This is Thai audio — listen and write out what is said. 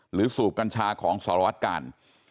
หรือสูบกัญชาของสารวัตการ